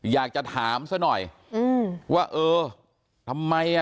อยากจะถามซะหน่อยอืมว่าเออทำไมอ่ะ